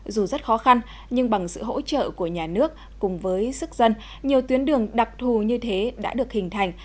dù rất khó khăn nhưng bằng sự hỗ trợ của nhà nước cùng với sức dân nhiều tuyến đường đặc thù như thế đã được hình thành